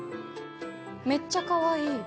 めっちゃかわいい。